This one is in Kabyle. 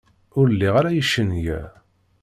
Ur liɣ ara icenga.